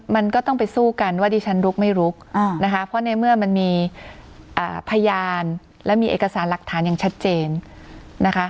มันก็ต้องไปสู้กันว่าดิฉันลุกไม่ลุกนะคะเพราะในเมื่อมันมีพยานและมีเอกสารหลักฐานอย่างชัดเจนนะคะ